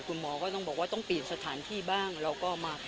คุณหมอก็ต้องบอกว่าต้องเปลี่ยนสถานที่บ้างเราก็มา